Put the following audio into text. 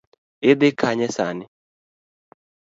Idhi kanye sani?